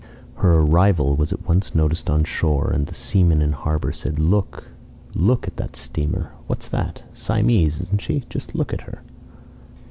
Her arrival was at once noticed on shore, and the seamen in harbour said: "Look! Look at that steamer. What's that? Siamese isn't she? Just look at her!"